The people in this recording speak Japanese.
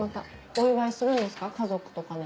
お祝いするんですか家族とかで。